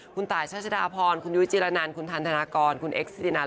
คุณตายชัชดาพรคุณยุ้ยจิรนันคุณทันธนากรคุณเอ็กซิรินัน